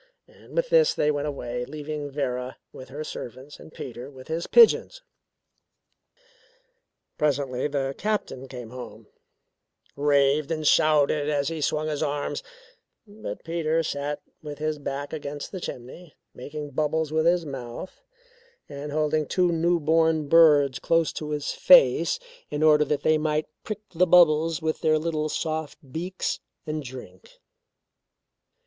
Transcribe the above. And with this they went away, leaving Vera with her servants and Peter with his pigeons. Presently the Captain came home, raved and shouted as he swung his arms but Peter sat with his back against the chimney, making bubbles with his mouth and holding two new born birds close to his face in order that they might prick the bubbles with their little soft beaks and drink.